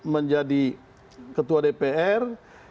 menjadi ketua dpr